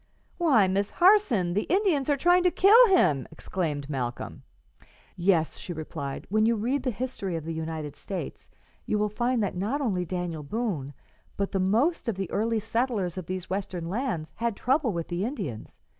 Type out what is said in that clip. "Why, Miss Harson, the Indians are trying to kill him!" exclaimed Malcolm. "Yes," she replied; "when you read the history of the United States, you will find that not only Daniel Boone, but the most of the early settlers of these Western lands, had trouble with the Indians.